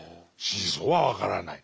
真相は分からない。